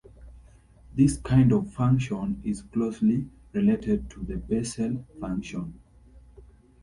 This kind of function is closely related to the Bessel function.